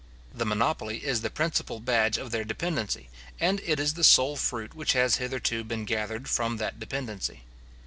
The monopoly is the principal badge of their dependency, and it is the sole fruit which has hitherto been gathered from that dependency.